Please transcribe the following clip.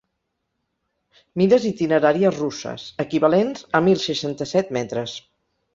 Mides itineràries russes, equivalents a mil seixanta-set metres.